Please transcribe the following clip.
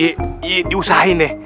i i diusahain ya